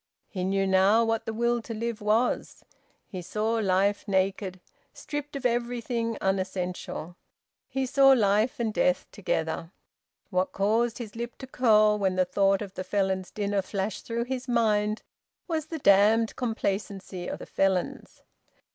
He knew now what the will to live was. He saw life naked, stripped of everything unessential. He saw life and death together. What caused his lip to curl when the thought of the Felons' dinner flashed through his mind was the damned complacency of the Felons.